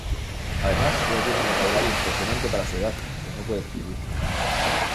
Además, ella tiene un vocabulario impresionante para su edad, pero no puede escribir.